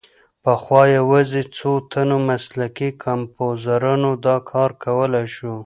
پخوا یوازې څو تنو مسلکي کمپوزرانو دا کار کولای شو.